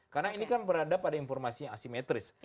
karena ini kan berada pada informasi asimetris